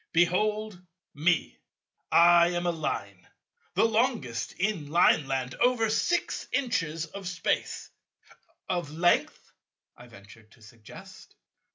Behold me—I am a Line, the longest in Lineland, over six inches of Space—" "Of Length," I ventured to suggest.